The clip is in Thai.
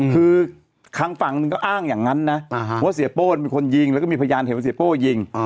คือทางฝั่งหนึ่งก็อ้างอย่างนั้นนะว่าเสียโป้เป็นคนยิงแล้วก็มีพยานเห็นว่าเสียโป้ยิง